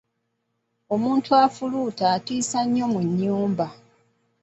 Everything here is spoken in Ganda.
Omuntu afuluuta atiisa nnyo mu nnyumba.